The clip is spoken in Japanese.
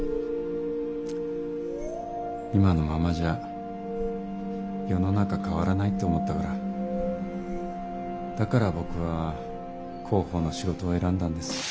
今のままじゃ世の中変わらないって思ったからだから僕は広報の仕事を選んだんです。